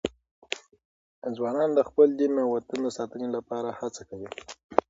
ځوانان د خپل دین او وطن د ساتنې لپاره هڅه کوي.